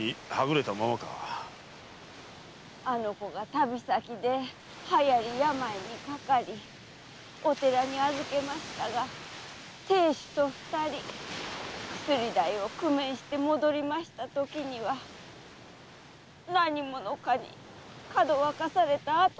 あの子が旅先で流行病にかかりお寺に預けましたが亭主と二人薬代を工面して戻りましたときには何者かに拐かされたあとでした。